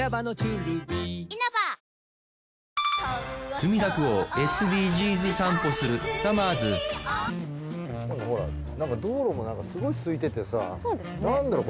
墨田区をＳＤＧｓ散歩するさまぁずほらなんか道路もすごい空いててさなんだろう